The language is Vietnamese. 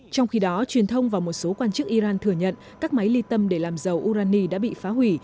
trong khi đó truyền thông và một số quan chức iran thừa nhận các máy ly tâm để làm dầu urani đã bị phá hủy